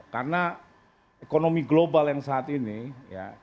karena ekonomi global yang saat ini ya